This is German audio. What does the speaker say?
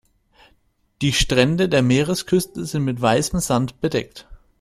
Die Strände der Meeresküste sind mit weißem Sand bedeckt.